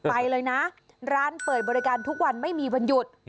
ไปเลยนะร้านเปิดบริการทุกวันไม่มีวันหยุด